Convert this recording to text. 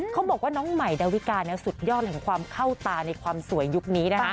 เขาบอกว่าน้องใหม่ดาวิกาสุดยอดแห่งความเข้าตาในความสวยยุคนี้นะคะ